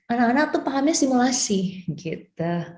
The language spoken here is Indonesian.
anak anak tuh pahamnya simulasi gitu